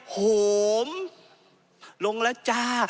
โหมลงแล้วจ้า